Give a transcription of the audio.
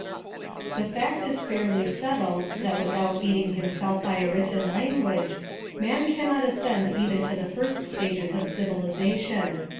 The fact is fairly settled, that without aidinjt himself by a written language, man cannot ascend even to the first stages of civilization.